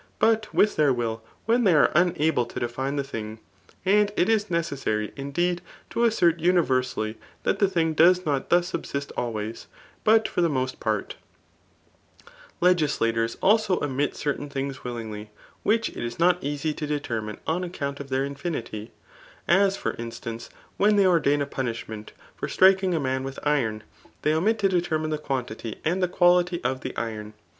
Bat with their will when they are unable to define the thing ; and it is necessary, indeed, to assert universally that the thing does not thus subsist always, but for the OMit part« Legislators also omit certain things willingly, which It is not easy to determine on acconnt of their infinity; as for instance, [when they ordain a punish^ meot] for striking a man with iron, they omit to deteiv name the quantity and the ^ality of the iron.